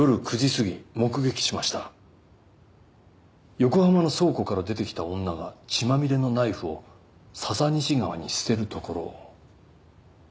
「横浜の倉庫から出てきた女が血まみれのナイフを笹西川に捨てるところを」。